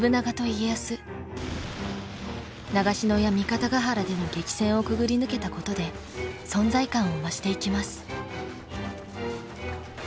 長篠や三方ヶ原での激戦をくぐり抜けたことで存在感を増していきます。